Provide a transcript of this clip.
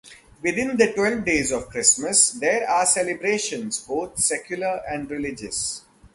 Within the Twelve Days of Christmas, there are celebrations both secular and religious.